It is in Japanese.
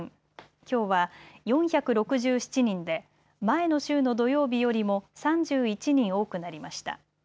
きょうは、４６７人で前の週の土曜日よりも３１人多くなりました。